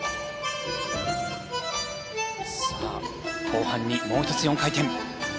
後半にもう１つ４回転。